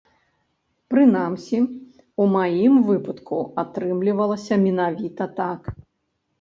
Прынамсі, у маім выпадку атрымлівалася менавіта так.